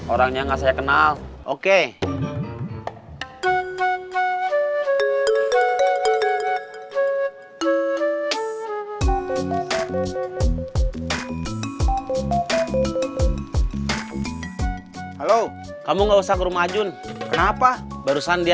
orangnya enggak saya kenal oke halo kamu nggak usah ke rumah jun kenapa barusan dia